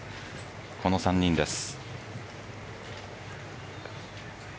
この３人です。